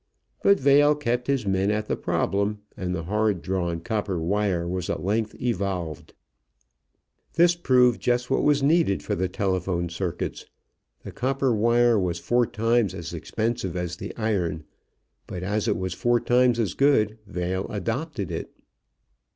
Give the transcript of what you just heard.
But Vail kept his men at the problem and the hard drawn copper wire was at length evolved. This proved just what was needed for the telephone circuits. The copper wire was four times as expensive as the iron, but as it was four times as good Vail adopted it.